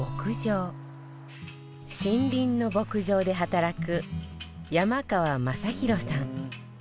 森林ノ牧場で働く山川将弘さん